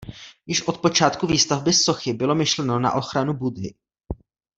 Již od počátku výstavby sochy bylo myšleno na ochranu Buddhy.